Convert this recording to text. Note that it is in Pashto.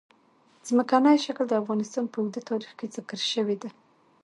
ځمکنی شکل د افغانستان په اوږده تاریخ کې ذکر شوې ده.